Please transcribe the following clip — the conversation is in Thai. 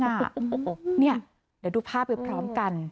นี่เดี๋ยวดูภาพไปพร้อมกัน